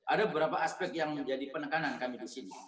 ada beberapa aspek yang menjadi penekanan kami di sini